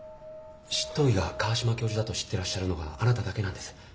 執刀医が川島教授だと知ってらっしゃるのはあなただけなんです。